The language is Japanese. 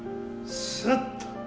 すっと。